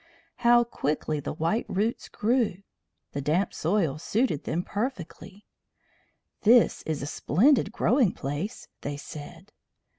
How quickly the white roots grew! The damp soil suited them perfectly. "This is a splendid growing place," they said.